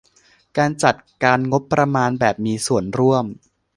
การจัดการงบประมาณแบบมีส่วนร่วม